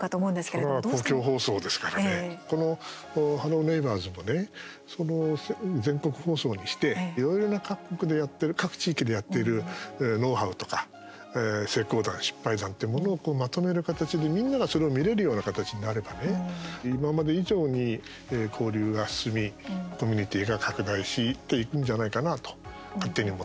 それは公共放送ですからね「ハロー！ネイバーズ」もね全国放送にしていろんな各国でやっている各地域でやっているノウハウとか成功談、失敗談ってものを、まとめる形でみんながそれを見れるような形になればね、今まで以上に交流が進み、コミュニティーが拡大していくんじゃないかなと勝手に思っています。